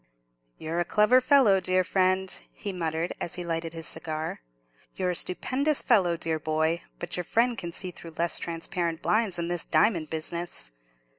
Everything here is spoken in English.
"You're a clever fellow, dear friend," he muttered, as he lighted his cigar; "you're a stupendous fellow, dear boy; but your friend can see through less transparent blinds than this diamond business.